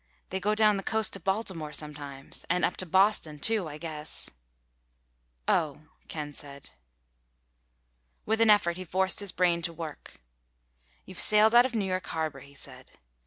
"They go down the coast to Baltimore sometimes—and up to Boston too, I guess." "Oh," Ken said. With an effort he forced his brain to work. "You've sailed out of New York Harbor," he said.